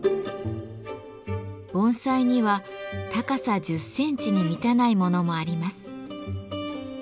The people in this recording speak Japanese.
盆栽には高さ１０センチに満たないものもあります。